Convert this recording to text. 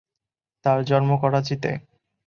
তাঁর জন্ম করাচিতে।